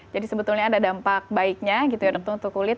jadi sebetulnya ada dampak baiknya untuk kulit